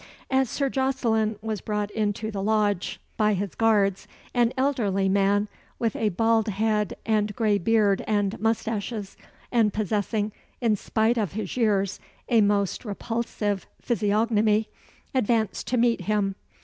As Sir Jocelyn was brought into the lodge by his guards, an elderly man, with a bald head and gray beard and moustaches, and possessing, in spite of his years, a most repulsive physiognomy, advanced to meet him.